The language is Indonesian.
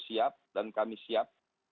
siap dan kami siap